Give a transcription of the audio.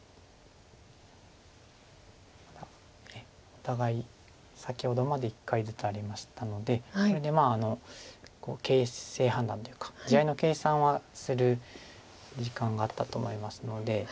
お互い先ほどまで１回ずつありましたのでこれで形勢判断というか地合いの計算はする時間があったと思いますので。